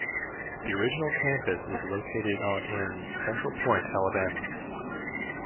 The original campus is located on in Center Point, Alabama.